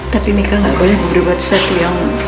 tapi mika gak boleh berbuat sesuatu yang